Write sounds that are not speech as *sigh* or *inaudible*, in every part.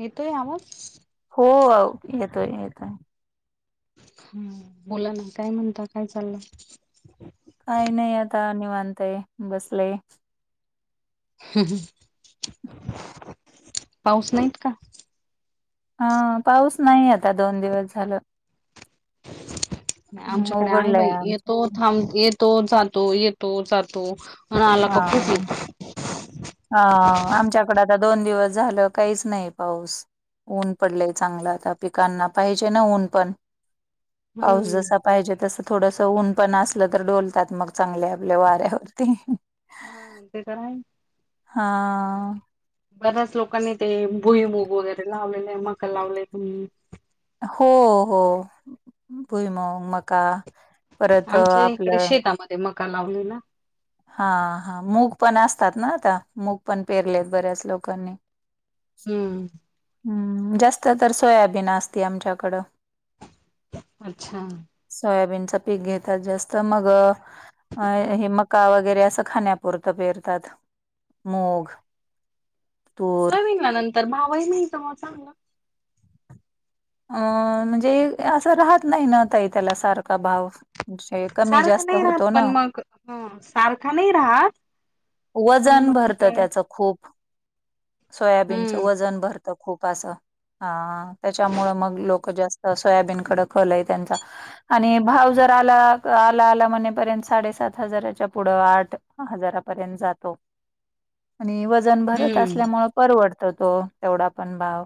येतोय आवाज? हो येतोय येतोय. हं बोला ना काय म्हणता काय चाललं. काई नई आता नीवांतय बसलोय. हं हं पाऊस नाईत का? हां पाऊस नाई आता दोन दिवस झालं. हम्म, आमच्याकडे आहे उघडलंय बाई येतो आमच्याकडे थांब येत तो जातो येतो जातो म आला हा का खूप येतो. हा आमच्याकडें आता दोन दिवस झालं काईच नाई पाऊस. ऊन पडलंय चांगलं आता पिकांना पाईजे ना ऊन पण, पाऊस हम्म जसा पायजे तसं थोडंस ऊन पण असलं तर डोलतात मग चांगले आपल्या वाऱ्यावरती. हां ते तर हाय. हां बऱ्याच लोकांनी ते भुई मूग वगैरे लावलेले, मका लावले. हो हो भुईमुंग मका परतं आपलं ते मका लावले न. हां हां मुग पण असतात ना आता मुग पण पेरलेत बऱ्याच लोकांनी. हम्म हम् जास्त तर सोयाबीन असते आमच्याकडं. अच्छा सोयाबीनचं पीक घेतात जास्त मगं अ हे मका वगैरे असं खाण्या -पुरतं पेरतात मूग. तूर सोयबीनला नंतर भावई नई का म चांगला? अ म्हंजे असा राहत नाही ना व ताई त्याला सारखा भाव कमी सारखं जास्त नाही राहत होतो ना पण मग सारखा नाही राहत पण वजन मग भरतं त्याच खूप हम्म सोयाबीनचं वजन भरतं खूप असं अ त्याच्यामु मग लोक जास्त सोयाबीन कडे कलं आय त्यांचा आणि भाव जर आला आला आला म्हणपर्यंत साडेसात हजाराच्या पुढं आठ ह हजारापर्यंत जातो *inaudible* आणि भरत हम्म असल्यामुळे परवर तो तेवढा पण भाव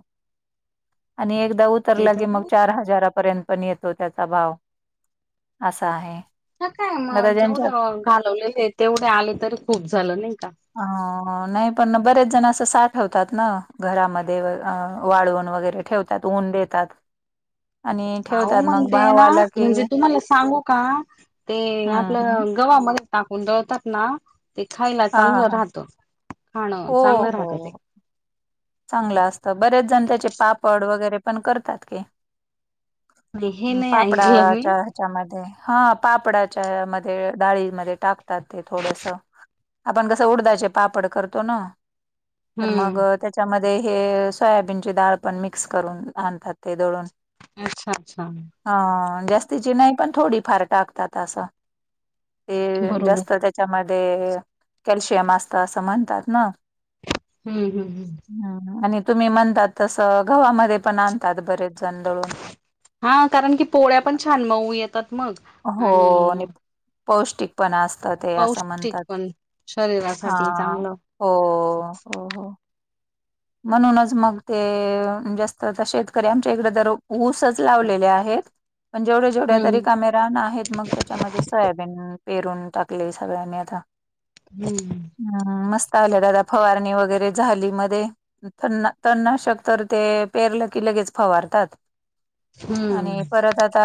आणि एकदा तर ते लगे मग आहे चार हजारापर्यंत पण येतो त्याचा भाव असा आहे ह काय आता मग ज्यांच्या जेवढं घालवलेले तेवढे आले तरी खूप झालं नाही का ह नाही पण बरेच जण तसा ठेवतात ना घरामध्ये वाळवण वगैरे ठेवतात ऊन देतात आणि हो ठेवतात मग म्हणते भाव ना आला की म्हणजे तुम्हाला सांगू का ते हं, हं. आपलं गव्हामध्ये टाकून दळतात ना ते खायला हां, चांगलं हां. राहत खाणं हो, चांगलं हो. राहत ते हो. चांगलं असतं बरेच जण त्याचे पापड वगैरे पण करतात की आणि हे ् नाही ऐकलं मी पापडाच्या *inaudible* हा पापडाच्या मध्ये डाळीमध्ये टाकतात ते थोडस आपण कसं उडदाचे पापड करतो ना तर हम्म मग त्या त्याच्यामध्ये हे सोयाबीनची डाळ पण मिक्स करून आणतात ते दळून अच्छा अच्छा. हा जास्तीची नाही पण थोडी फार टाकतात असं ते बरोबर जास्त त्या त्याच्यामध्ये कॅल्शियम असत असं म्हणतात ना. हम हम. हा आणि तुम्ही म्हणतात तस गव्हामध्ये पण आणतात बरेच जण दळून. हा कारण की पोळ्या पण छान मऊ येतात मग. हो आणि नि पौष्टिकपण असतात ते असं पौष्टिक म्हणतात पण हा शरीरासाठी चांगलं हो, हो हो म्हणूनच मग ते जास्त तर शेतकऱ्यांचा इकडे तर ऊसच लावलेले आहेत. पण जेवढ्या जेवढ्या तर हम्म रिकामे रान आहेत मग तर त्याच्यामध्ये सोयाबीन पेरून टाकले सगळ्यांनी आता. हम. हम मस्त आल्या दादा फवारणी वगैरे झाली मध्ये त्यांना त्यांना शकते पेरलं की लगेच फवारतात. आणि हम्म परत आ ता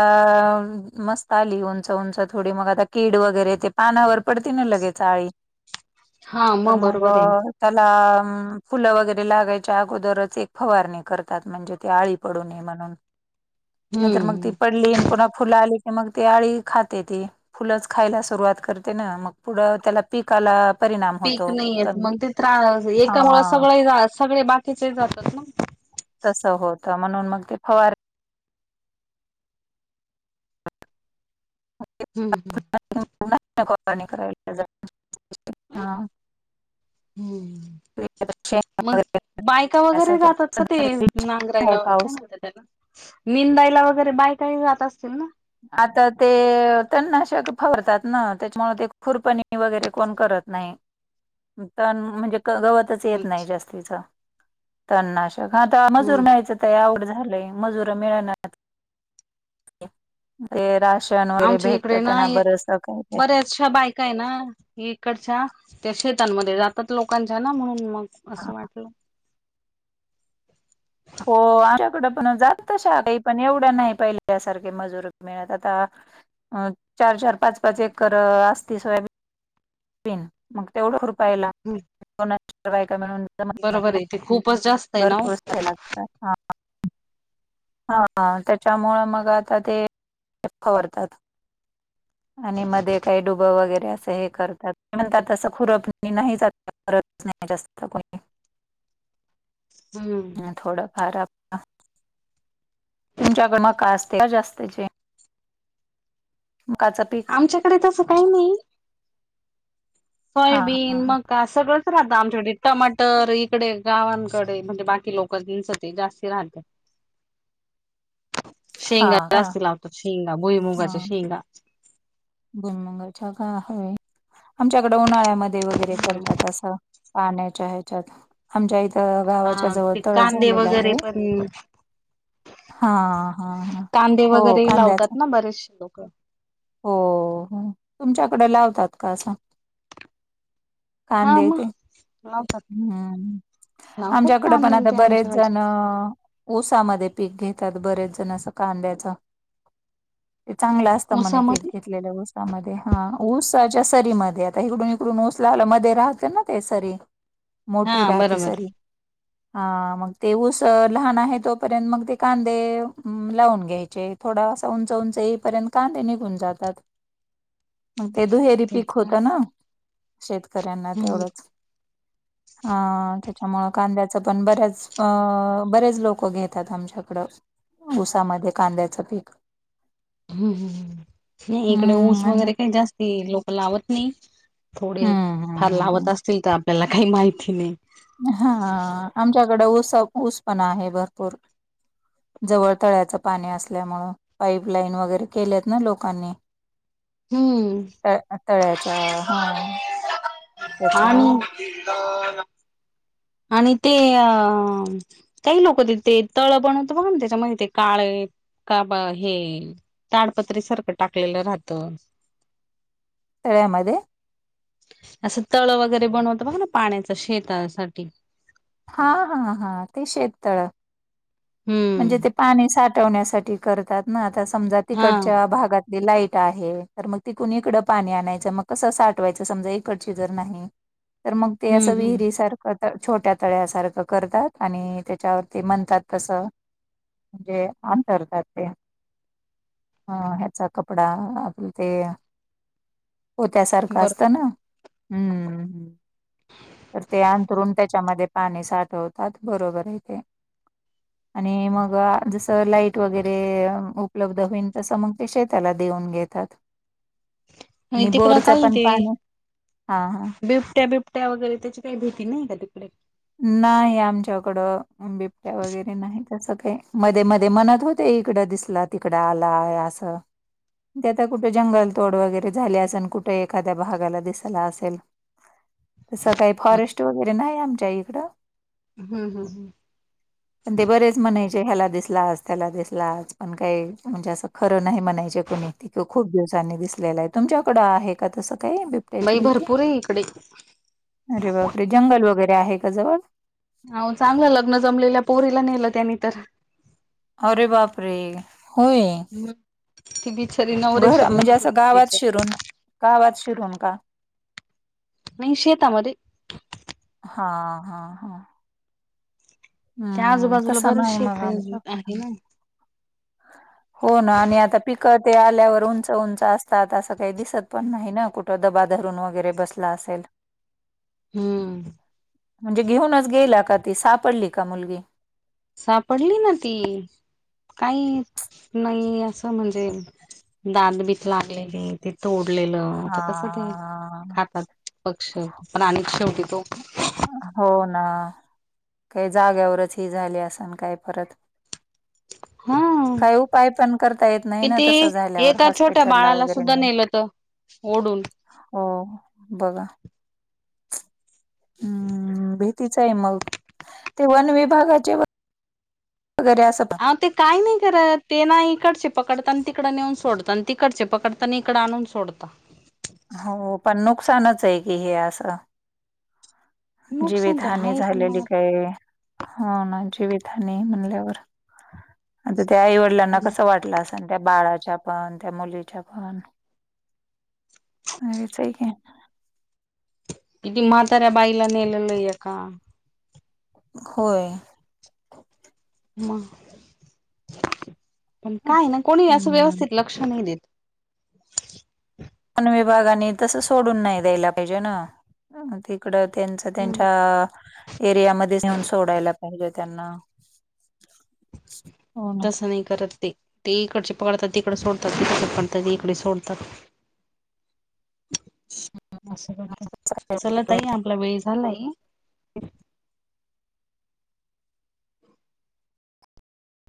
मस्त आली उंच उंच थोडी मग आता कीड वगैरे ते पानावर पडतील ना लगेच आली हा तर मग बरोबर आहे ना त्याला फुलं वैगरे लागायच्या अगोदरच एक फवारणी करतात म्हणजे ते आळी पडू नये म्हणून. नाहीतर मग ती हम्म पडली आणि पुन्हा फुलं आली का मग ती आळी खाते ती. फुलंच खायला सुरुवात करते ना मग पुढं त्याला पिक आला पीक नाही येत मग ते त्रास हा एकामुळे सगळे सगळे बाकीचे जातात ना. तस होत म्हणून मग ते फवारणी हम्म. ॉ करा हा *unintelligible* हम्म. शेण मग वगैरे बायका वैगरे करण्यासाठी. जातात का? ते सध्या तरी आहे नांगरायला काय पाऊस म्हणतात? निंदायला वगैरे बायका ही जात असतील ना? आता ते तन्नाशके फवारतात ना. त्याच्यामुळे ते खुरपणी वगैरे कोण करत नाय. *unintelligible* तन म्हणजे गवतच. च येत नाय अच्छा. जास्तीच. तंननाषक, आता मजूर हम्म. न्हायचं लय अवघड झालंय, मजुर मिळानात. ते राशन वगैरे भेटत त्यांना. बारस काय काय. च्या बायकाय ना, इकडच्या त्या शेतांमध्ये जातात लोकांच्या ना. म्हणून मग अस वाटलं. हो आमच्याकड पण जातात तशा काही, पण एवढ्या नाही पहिल्यासारखे मजुर मिळत. आता चार चार पाच पाच एकर असते सोयाब बीन मग तेवढं खुरपयाला दोनन चार बायका मिळून जमत नाही ना. *unintelligible* इथे खूपच जास्त आहे भर ना कोर्सय लागत ह *unintelligible* हा त्याच्यामूळ मग आता ते फवारतात. आणि मध्ये काही डुबं वगैरे असे हे करतात. म्हणतात तसं खुरप नाही जात नाही जास्त कुणी. *inaudible* ओ. थोडा फार आप तुमच्या कडे मका असते का जास्तची? मकाचं पीक. इकडे तस काही नाही. हा सोयाबीन हा हा म का, सगळंच राहतं आमच्याकडे. टमाटर इकडे गावांकडे म्हणजे बाकी लोकचं इथ ते जास्ती राह *unintelligible* शेंगा हा का जास्त लावतात शेंगा. भुई मुगाच्या शेंगा. भुईमूगाच्या का हवे आमच्याकडं उन्हाळ्यामध्ये वगैरे करतात असं. पाण्याच्या ह्याच्यात. आमच्या इथं गावाच्या हा जवळ ते तळ कांदे झालेलं वगैरे आहे. पण हा हा. कांदे हो वगैरे कांद्याच. लावतात ना बरेचसे लोक हो तुमच्याकडे लावतात का अस? हा कांदे मग ते? लावतात हम्म. लावतात आमच्याकडे पण कांदे आता ते बरेच आमच्याकडचे जण ऊसामध्ये पीक घेतात बरेच जण, असं कांद्याच. ते चांगलं असतं म्हणे पीक ऊसामध्ये घेतलेल. ऊसामध्ये हा. ऊसाच्या सरी मधे आता इकडून इकडून ऊस लावल. मध्ये राहते ना ते सरी. मोठी राहते सरी. ह *unintelligible* हा मग ते ऊस लहान आहे तोपर्यंत मग ते कांदे लावून घ्यायचे. थोडा असा उंच उंच येईपर्यंत कांदे निघून जातात. *inaudible* मग ते दुहेरी ते पीक तर होतं ना. शेतकऱ्यांना हम्म तेवढंच. *inaudible* हा त्याच्यामुळ कांद्याच पण बऱ्याच अ बरेच लोक घेतात आमच्याकडं. ऊसामध्ये कांद्याच पीक हम् नाही इकडे ऊस हम्म आणि वगैरे काही जास्त लोक लावत नाही. थोडे हम्म फार लावत हम्म असतील तर आपल्याला काही माहिती नाही. हां आमच्याकडे ऊस ऊसपण आहे भरपूर. जवळ तळ्याचं पाणी असल्यामुळ. पाईप लाईन वगैरे केल्यात ना लोकांनी, हम्म तळ तळ्याच्या हां याच्या. *unintelligible* आणि ते अ. काही लोक तीथे ते तळ बनवतना बघा त्याच्यामध्ये ते काळय का हे ताडपत्री सारख टाकलेल राहत. तळ्यामध्ये? असं तळ वगैरे बनवत बघ ना पाण्याच शेतासाठी. हा हा हा ते शेततळ. म्हणजे हम्म ते पाणी साठवण्यासाठी करतात ना आता समजा हा तिकडच्या भागात. लाईट आहे तर मग तीकुण इकड पाणी आणायच मग कस साठवायच समजा इकडची जर नाही. तर मग ते हम्म असं हम्म विहिरी सारखं. खरंतर छोट्या तळ्यासारख करतात आणि त्याच्यावरती म्हणतात तस. म्हणजे अंतरतात ते, अ ह्याचा कपडा आपल ते पोत्यासारख असत बरोबर ना. तर ते अंथरून त्याच्यामध्ये पाणी साठवतात बरोबर आहे ते. आणि मग जस लाईट वगैरे उपलब्ध होईल तस मग ते शेताला देऊन घे- -तात आणि तिकडं बोरच काही पण ते पाणी हां हां बिबट्या बिबट्या वगैरे त्याची काही भीती नाही का तिकडे? नाही आमच्याकड बिबट्या वगैरे नाही तस काही. मध्ये मध्ये म्हणत होते इकड दिसला तिकड आलाय अस. ते आता कुठे जंगल तोड वगैरे झाले असेल आणि कुठे एखाद्या भागाला दिसल असेल तस काही फॉरेस्ट वगैरे नाही आमच्या इथ. हम्म हम् हम् ते बरेच म्हणायचे ह्याला दिसला आज त्याला दिसला आज पण काही म्हणजे अस. खर नाही म्हणायचे कुणी त खूप दिवसांनी दिसलेलाय. तुमच्याकड आहे का तस काही? ट्याची बाई भीती भरपूर आहे इकडे अरे बापरे जंगल वगैरे आहे का जवळ? हो चांगलं लग्न जमलेल्या पोरीला नेलं त्यानी तर. अरे बापरे होय. ती बिचारी नवऱ्याशी बर म्हणजे बोलत असं होती गावात तिच्या शिरून गावात शिरून का?? नाही शेेतामध्ये हां हां हां.... त्या हं, आजूबाजूला तसं बरच नाही शेप मग आमच्याकडे. आहे ना. हो ना आणि आता पिकं ते आल्यावर उंच उंच असतात असं काही दिसत पण नाही ना कु तो दबा धरून वगैरे बसला असेल. हम्म म्हणजे घेऊनच गेला का ती सापडली का मुलगी? सापडली ना ती काही नाही असं म्हणजे दातबीत लागलेली ते तोडलेलं तर कसं ते हा. खातात. पक्ष पण आणि शेवटी तो. हो ना काही जाग्यावरच ही झाली असन काय परत. हा काही उपाय पण करता येत नाही ना किती तसं झाल्यावर येेत छोट्या हॉस्पिटलला बाळाला वगैरे सुद्धा नेऊन. नेल तर. ओढून. हो बघा. हम्म भीतीच आहे मग ते वन विभागाचे. वगैरे असं. अ ते काही नाही करत ते ना इकडचे पकडत आणि तिकड नेऊन सोडत आणि तिकडचे पकडत. ता इकडं आणून सोडता. हो पण नुकसानच आहे की हे असं. नुकसान तर जीवितहानी आहे पण झालेली मग काय. हो ना जीवितहानी म्हणल्यावर आता त्या आईवडिलांना कसं वाट. अस त्या बाळाच्या पण त्या मुलीच्या पण आहे की. किती म्हाताऱ्या बाईला नेलेलो आहे का. होय. म पण काय ना कोणी असं हम्म. व्यवस्थित लक्ष नाही देत. पन विभागानी तस सोडून नाही द्यायला पाहिजे ना तिकड. त्यांचं त्यांच्या. एरियामध्येध्ये घेऊन सोडायला पाहिजे त्यांना. ना. तसं नाही करत ते इकडचे पकडतात तिकडे सोडतात तिकड पडतात इकडे सोडतात. असं वाट चलतई आपला वेळ झालाय.